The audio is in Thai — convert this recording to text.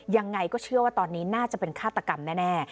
ยังไงก็เชื่อว่าตอนนี้น่าจะเป็นฆาตกรรมแน่